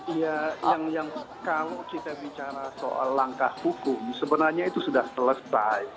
iya yang kalau kita bicara soal langkah hukum sebenarnya itu sudah selesai